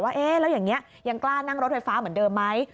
เอ๊ะแล้วอย่างนี้ยังกล้านั่งรถไฟฟ้าเหมือนเดิมไหม